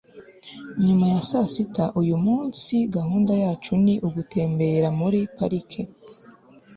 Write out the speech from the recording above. Nyuma ya sasita uyumunsi gahunda yacu ni ugutembera muri parike